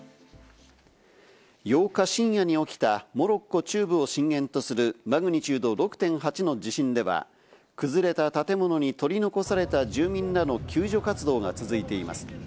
８日深夜に起きたモロッコ中部を震源とするマグニチュード６．８の地震では、崩れた建物に取り残された住民らの救助活動が続いています。